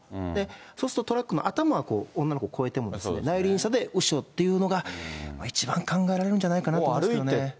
そうすると、トラックは頭は女の子を越えても、内輪差で後ろっていうのが、一番考えられるんじゃないかなと思いますけどね。